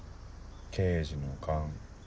刑事の勘。